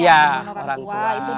iya orang tua